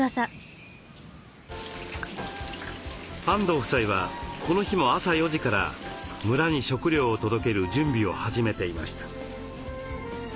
安藤夫妻はこの日も朝４時から村に食料を届ける準備を始めていました。